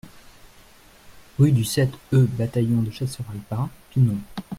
Rue du sept e Bataillon de Chasseurs Alpins, Pinon